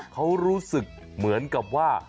เขารู้สึกเหมือนกับว่า